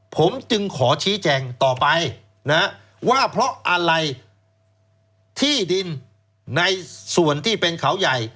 ผมจึงขอชี้แจงต่อไปนะว่าเพราะอะไรที่ดินในส่วนที่เป็นเขาใหญ่